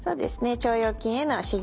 腸腰筋への刺激。